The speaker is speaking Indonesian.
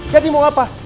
jadi mau apa